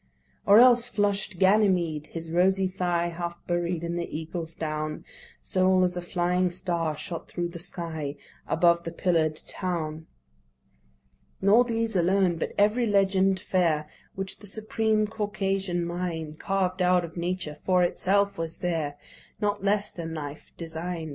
Or else flush'd Ganymede, his rosy thigh Half buried in the Eagle's down, Sole as a flying star shot thro' the sky Above the pillar'd town. Nor these alone: but every legend fair Which the supreme Caucasian mind Carved out of Nature for itself was there' Not less than life design'd.